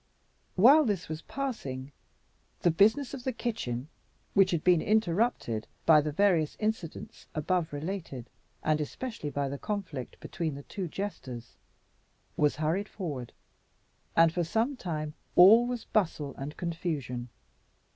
While this was passing the business of the kitchen, which had been interrupted by the various incidents above related, and especially by the conflict between the two jesters, was hurried forward, and for some time all was bustle and confusion.